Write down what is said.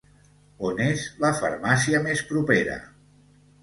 On és la farmàcia més propera?